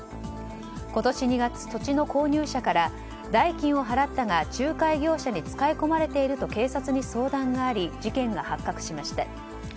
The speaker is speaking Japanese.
今年２月、土地の購入者から代金を払ったが仲介業者に使い込まれていると警察に相談があり事件が発覚しました。